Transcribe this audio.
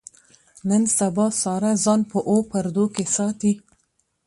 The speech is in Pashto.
نن سبا ساره ځان په اوو پردو کې ساتي.